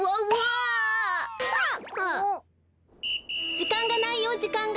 じかんがないよじかんが。